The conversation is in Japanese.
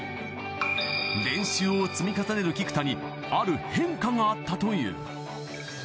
練習を積み重ねる菊田にある変化があったという。